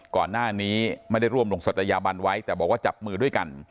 ก่อนหน้านี้ไม่ได้ร่วมลงศัตยาบันไว้แต่บอกว่าจับมือด้วยกัน